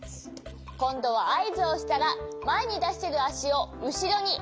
こんどはあいずをしたらまえにだしてるあしをうしろにあげてね。